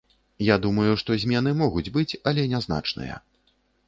Я думаю, што змены могуць быць, але нязначныя.